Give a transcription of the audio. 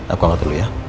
aku angkat dulu ya